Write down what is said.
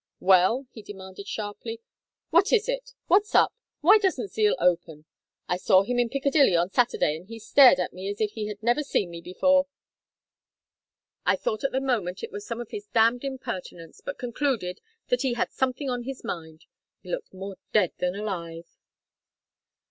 "Well?" he demanded, sharply. "What is it? What's up? Why doesn't Zeal open? I saw him in Piccadilly on Saturday and he stared at me as if he had never seen me before. I thought at the moment it was some of his damned impertinence, but concluded that he had something on his mind. He looked more dead than alive."